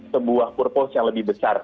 sebuah purpose yang lebih besar